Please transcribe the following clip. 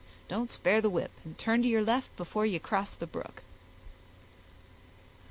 Don't spare the whip, and turn to your left before you cross the brook."